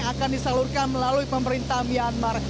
yang akan disalurkan melalui pemerintah myanmar